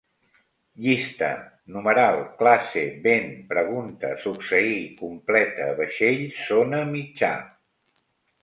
Llista: numeral, classe, vent, pregunta, succeir, completa, vaixell, zona, mitjà